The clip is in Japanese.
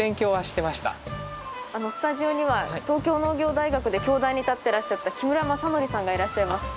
スタジオには東京農業大学で教壇に立ってらっしゃった木村正典さんがいらっしゃいます。